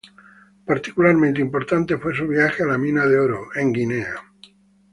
Particularmente importante fue su viaje a la Mina de Oro, en Guinea.